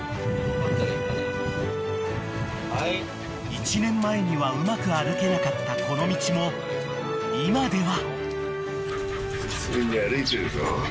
［１年前にはうまく歩けなかったこの道も今では］